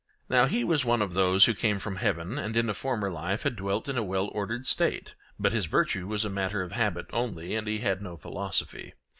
Now he was one of those who came from heaven, and in a former life had dwelt in a well ordered State, but his virtue was a matter of habit only, and he had no philosophy.